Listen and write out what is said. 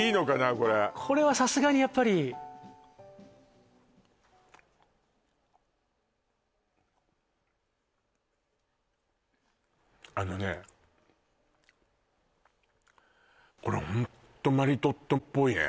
これこれはさすがにやっぱりあのねこれホントマリトッツォっぽいね